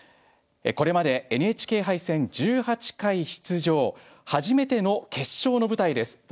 これまでＮＨＫ杯戦１８回出場初めての決勝の舞台です。